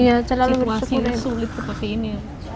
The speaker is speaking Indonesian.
masih bisa bersyukur di situasi yang sulit seperti ini